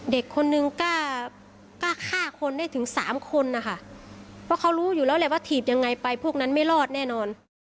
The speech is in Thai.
เด็กคนนึงก็ฆ่าคนได้ถึง๓คนนะคะเพราะเขารู้อยู่แล้วแหละว่าถีบยังไงไปพวกนั้นไม่รอดแน่นอน